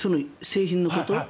製品のこと？